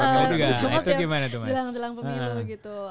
jelang jelang pemilu gitu